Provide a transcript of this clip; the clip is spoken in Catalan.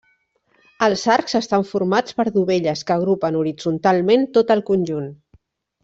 Els arcs estan formats per dovelles que agrupen horitzontalment tot el conjunt.